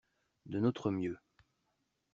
De notre mieux